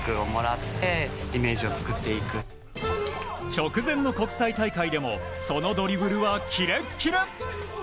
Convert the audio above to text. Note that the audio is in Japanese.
直前の国際大会でもそのドリブルはキレッキレ。